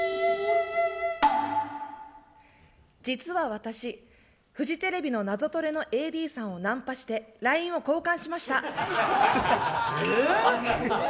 実は私、フジテレビの「ナゾトレ」のＡＤさんをナンパしてＬＩＮＥを交換しました。